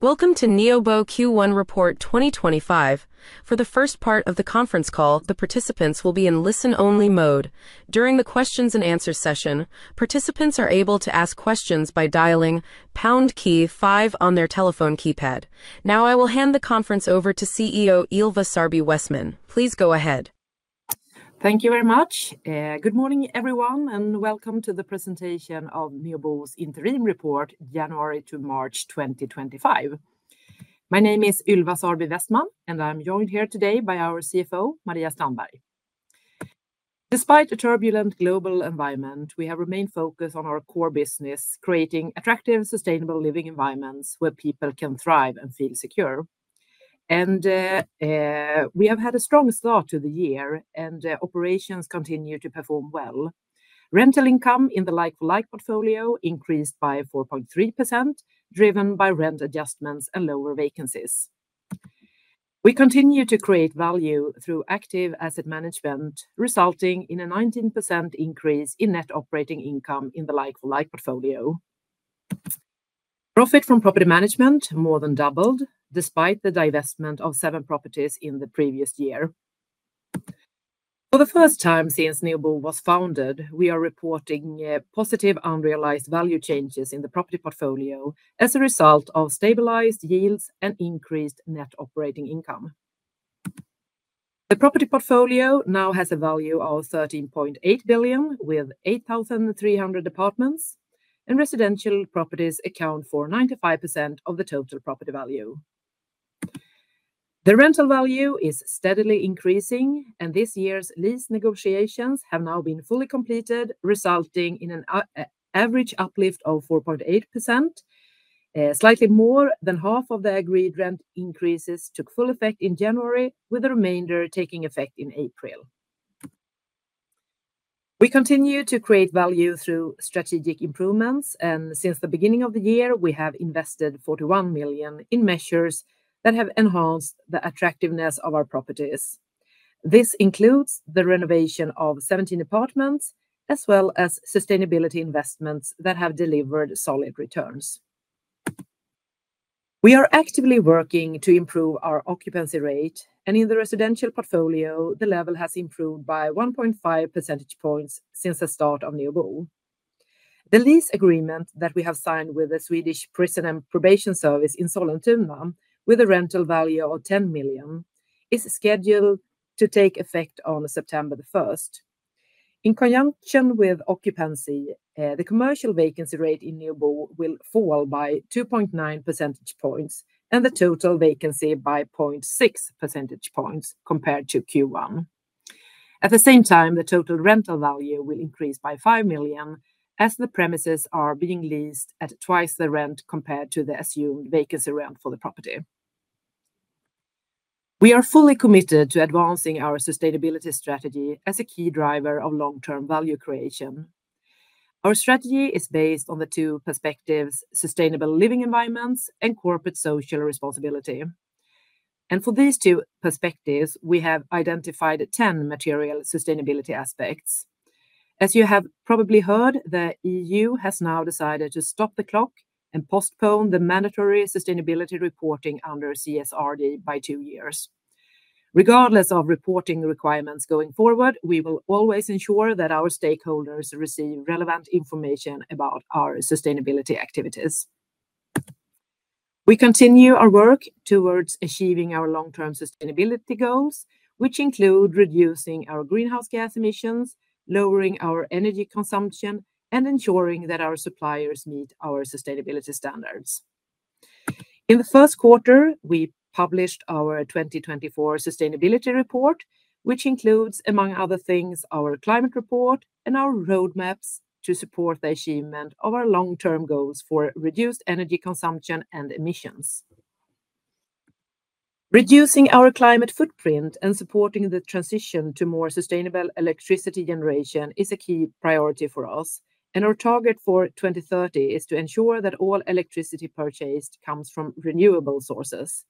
Welcome to Neobo Q1 Report 2025. For the first part of the conference call, the participants will be in listen-only mode. During the Q&A session, participants are able to ask questions by dialing pound key, five on their telephone keypad. Now, I will hand the conference over to CEO Ylva Sarby Westman. Please go ahead. Thank you very much. Good morning, everyone, and welcome to the presentation of Neobo's Interim Report, January to March 2025. My name is Ylva Sarby Westman, and I'm joined here today by our CFO, Maria Strandberg. Despite a turbulent global environment, we have remained focused on our core business: creating attractive, sustainable living environments where people can thrive and feel secure. We have had a strong start to the year, and operations continue to perform well. Rental income in the like-for-like portfolio increased by 4.3%, driven by rent adjustments and lower vacancies. We continue to create value through active asset management, resulting in a 19% increase in net operating income in the like-for-like portfolio. Profit from property management more than doubled, despite the divestment of seven properties in the previous year. For the first time since Neobo was founded, we are reporting positive unrealized value changes in the property portfolio as a result of stabilized yields and increased net operating income. The property portfolio now has a value of 13.8 billion, with 8,300 apartments, and residential properties account for 95% of the total property value. The rental value is steadily increasing, and this year's lease negotiations have now been fully completed, resulting in an average uplift of 4.8%. Slightly more than half of the agreed rent increases took full effect in January, with the remainder taking effect in April. We continue to create value through strategic improvements, and since the beginning of the year, we have invested 41 million in measures that have enhanced the attractiveness of our properties. This includes the renovation of 17 apartments, as well as sustainability investments that have delivered solid returns. We are actively working to improve our occupancy rate, and in the residential portfolio, the level has improved by 1.5 percentage points since the start of Neobo. The lease agreement that we have signed with the Swedish Prison and Probation Service in Sollentuna, with a rental value of 10 million, is scheduled to take effect on September 1. In conjunction with occupancy, the commercial vacancy rate in Neobo will fall by 2.9 percentage points and the total vacancy by 0.6 percentage points compared to Q1. At the same time, the total rental value will increase by 5 million, as the premises are being leased at twice the rent compared to the assumed vacancy rent for the property. We are fully committed to advancing our sustainability strategy as a key driver of long-term value creation. Our strategy is based on the two perspectives: sustainable living environments and corporate social responsibility. For these two perspectives, we have identified 10 material sustainability aspects. As you have probably heard, the EU has now decided to stop the clock and postpone the mandatory sustainability reporting under CSRD by two years. Regardless of reporting requirements going forward, we will always ensure that our stakeholders receive relevant information about our sustainability activities. We continue our work towards achieving our long-term sustainability goals, which include reducing our greenhouse gas emissions, lowering our energy consumption, and ensuring that our suppliers meet our sustainability standards. In the first quarter, we published our 2024 Sustainability Report, which includes, among other things, our climate report and our roadmaps to support the achievement of our long-term goals for reduced energy consumption and emissions. Reducing our climate footprint and supporting the transition to more sustainable electricity generation is a key priority for us, and our target for 2030 is to ensure that all electricity purchased comes from renewable sources.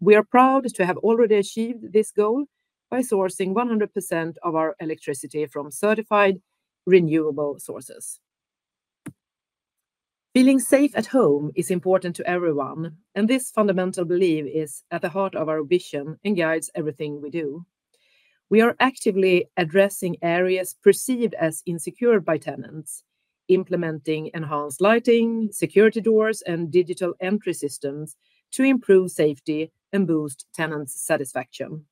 We are proud to have already achieved this goal by sourcing 100% of our electricity from certified renewable sources. Feeling safe at home is important to everyone, and this fundamental belief is at the heart of our vision and guides everything we do. We are actively addressing areas perceived as insecure by tenants, implementing enhanced lighting, security doors, and digital entry systems to improve safety and boost tenants' satisfaction.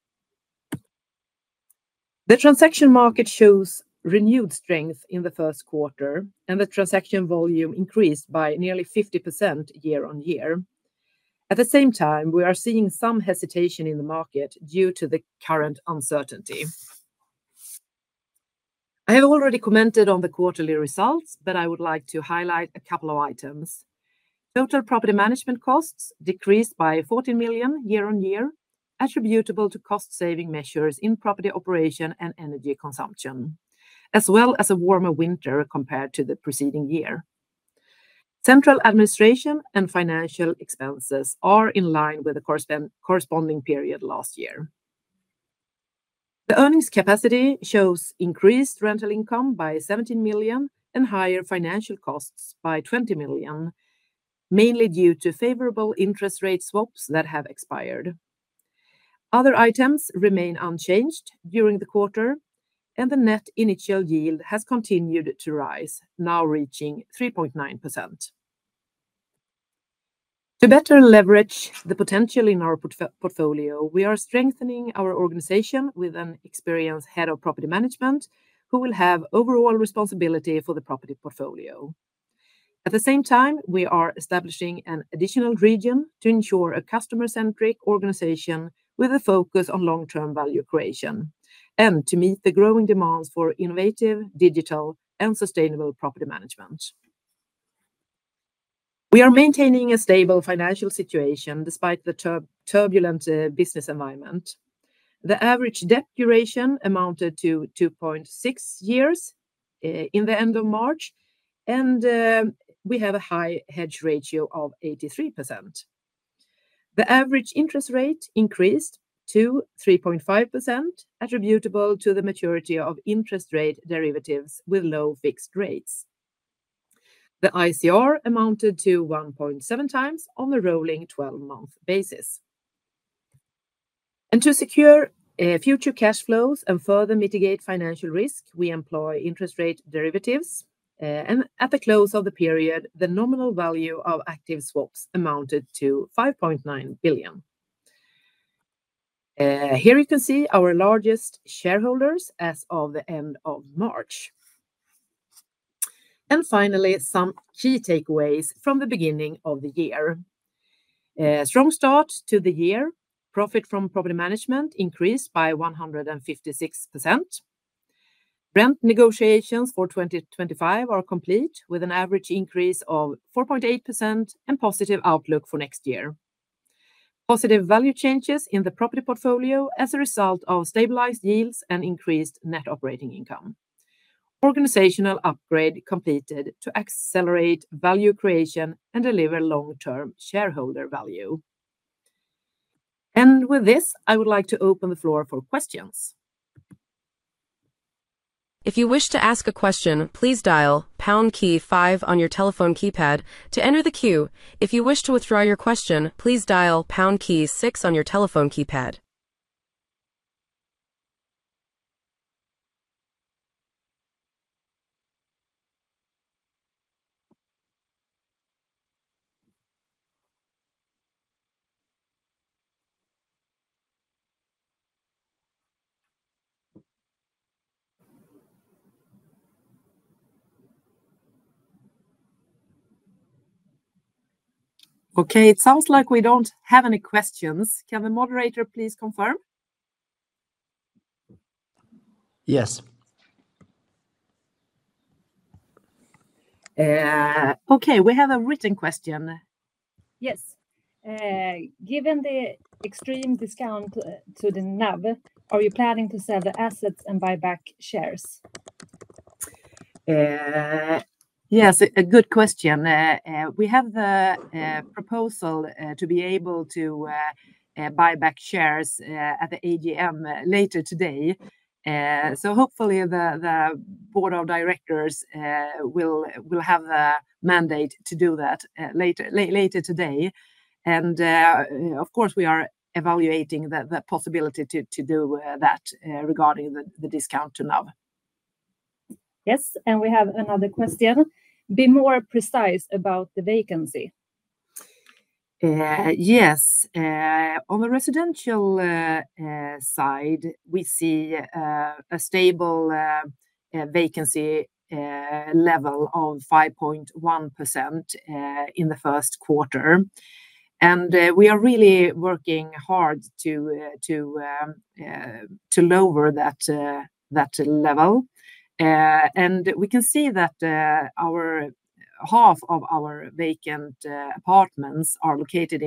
The transaction market shows renewed strength in the first quarter, and the transaction volume increased by nearly 50% year on year. At the same time, we are seeing some hesitation in the market due to the current uncertainty. I have already commented on the quarterly results, but I would like to highlight a couple of items. Total property management costs decreased by 14 million year on year, attributable to cost-saving measures in property operation and energy consumption, as well as a warmer winter compared to the preceding year. Central administration and financial expenses are in line with the corresponding period last year. The earnings capacity shows increased rental income by 17 million and higher financial costs by 20 million, mainly due to favorable interest rate swaps that have expired. Other items remain unchanged during the quarter, and the net initial yield has continued to rise, now reaching 3.9%. To better leverage the potential in our portfolio, we are strengthening our organization with an experienced Head of Property Management who will have overall responsibility for the property portfolio. At the same time, we are establishing an additional region to ensure a customer-centric organization with a focus on long-term value creation and to meet the growing demands for innovative, digital, and sustainable property management. We are maintaining a stable financial situation despite the turbulent business environment. The average debt duration amounted to 2.6 years in the end of March, and we have a high hedge ratio of 83%. The average interest rate increased to 3.5%, attributable to the maturity of interest rate derivatives with low fixed rates. The ICR amounted to 1.7 times on a rolling 12-month basis. To secure future cash flows and further mitigate financial risk, we employ interest rate derivatives, and at the close of the period, the nominal value of active swaps amounted to 5.9 billion. Here you can see our largest shareholders as of the end of March. Finally, some key takeaways from the beginning of the year. Strong start to the year. Profit from property management increased by 156%. Rent negotiations for 2025 are complete, with an average increase of 4.8% and positive outlook for next year. Positive value changes in the property portfolio as a result of stabilized yields and increased net operating income. Organizational upgrade completed to accelerate value creation and deliver long-term shareholder value. With this, I would like to open the floor for questions. If you wish to ask a question, please dial pound key, five on your telephone keypad to enter the queue. If you wish to withdraw your question, please dial pound key six on your telephone keypad. Okay, it sounds like we do not have any questions. Can the moderator please confirm? Yes. Okay, we have a written question. Yes. Given the extreme discount to the NAV, are you planning to sell the assets and buy back shares? Yes, a good question. We have the proposal to be able to buy back shares at the AGM later today. Hopefully the board of directors will have a mandate to do that later today. Of course, we are evaluating the possibility to do that regarding the discount to NAV. Yes, and we have another question. Be more precise about the vacancy. Yes. On the residential side, we see a stable vacancy level of 5.1% in the first quarter. We are really working hard to lower that level. We can see that half of our vacant apartments are located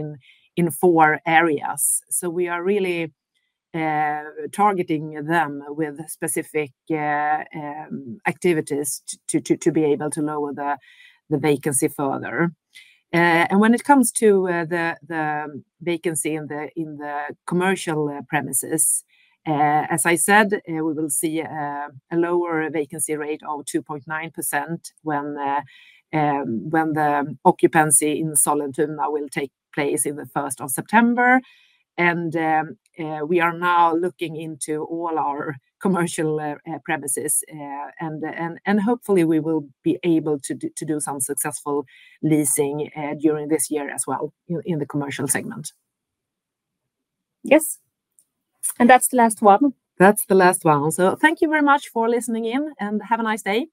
in four areas. We are really targeting them with specific activities to be able to lower the vacancy further. When it comes to the vacancy in the commercial premises, as I said, we will see a lower vacancy rate of 2.9% when the occupancy in Sollentuna will take place in the first of September. We are now looking into all our commercial premises, and hopefully we will be able to do some successful leasing during this year as well in the commercial segment. Yes, that's the last one. Thank you very much for listening in, and have a nice day.